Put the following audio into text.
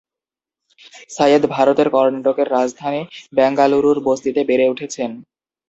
সাইয়েদ ভারতের কর্ণাটকের রাজধানী বেঙ্গালুরুর বস্তিতে বেড়ে উঠেছেন।